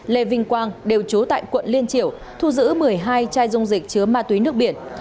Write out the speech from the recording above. lê vinh quang đều trú tại quận liên triểu thu giữ một mươi hai chai dung dịch chứa ma túy nước biển